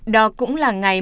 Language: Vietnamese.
đó cũng là ngày một mươi hai p